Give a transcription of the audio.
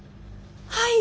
はい。